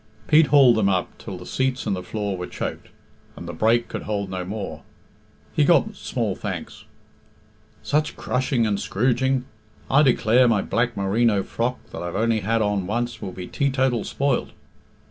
Pete hauled them up till the seats and the floor were choked, and the brake could hold no more. He got small thanks. "Such crushing and scrooging! I declare my black merino frock, that I've only had on once, will be teetotal spoilt."